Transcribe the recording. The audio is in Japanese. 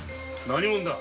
何者だ？